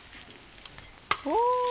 お！